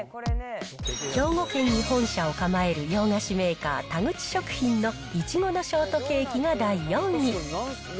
兵庫県に本社を構える洋菓子メーカー、田口食品の苺のショートケーキが第４位。